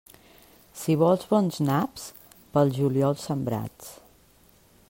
Si vols bons naps, pel juliol sembrats.